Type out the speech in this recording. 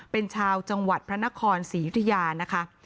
เป็นชาวจังหวัดพระนครศรียุธยานะคะ